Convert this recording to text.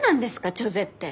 「チョゼ」って。